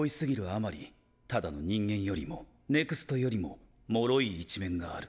あまりただの人間よりもＮＥＸＴよりも脆い一面がある。